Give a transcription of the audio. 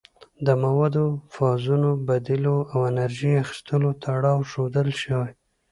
د موادو د فازونو بدلیدو او انرژي اخیستلو تړاو ښودل شوی.